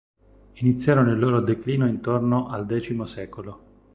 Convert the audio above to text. Iniziarono il loro declino intorno al X secolo.